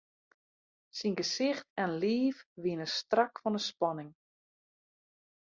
Syn gesicht en liif wiene strak fan 'e spanning.